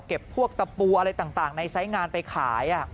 พวกตะปูอะไรต่างในไซส์งานไปขาย